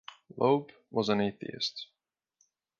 Loeb was an atheist.